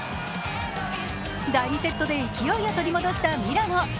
第２セットで勢いを取り戻したミラノ。